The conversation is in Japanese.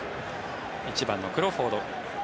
１番のクロフォード。